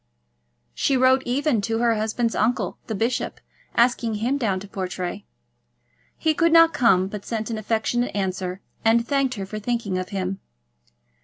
She wrote even to her husband's uncle, the bishop, asking him down to Portray. He could not come, but sent an affectionate answer, and thanked her for thinking of him.